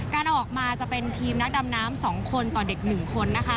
การออกมาจะเป็นทีมนักดำน้ำ๒คนต่อเด็ก๑คนนะคะ